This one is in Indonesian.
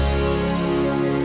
ya udah assalamualaikum